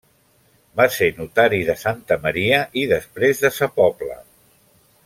Va ser notari de Santa Maria i després de sa Pobla.